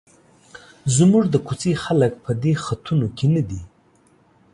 زموږ د کوڅې خلک په دې خطونو کې نه دي.